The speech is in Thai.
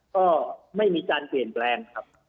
ก็ไม่มีการเปลี่ยนแปลงครับ